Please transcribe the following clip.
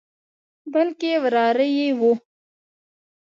بلکې وراره یې وو.